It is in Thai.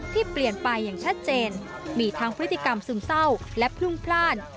ที่เปลี่ยนไปอย่างชัดเจนมีทั้งพฤติกรรมซึมเศร้าและพรุ่งพลาด